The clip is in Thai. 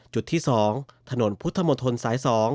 จุดที่๒ถนนพุทธมนตรสาย๒